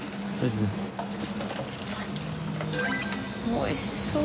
おいしそう。